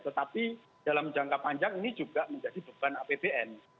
tetapi dalam jangka panjang ini juga menjadi beban apbn